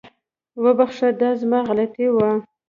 وبخښه، دا زما غلطي وه